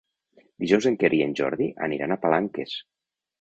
Dijous en Quer i en Jordi aniran a Palanques.